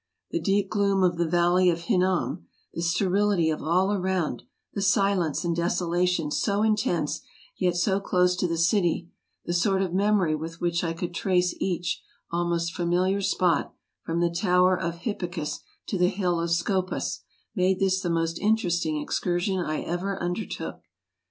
The deep gloom of the Valley of Hinnom ; the sterility of all around ; the silence and desolation so intense, yet so close to the city; the sort of memory with which I couid trace each almost familiar spot, from the Tower of Hippicus to the Hill of Scopas, made this the most interesting excur sion I ever undertook.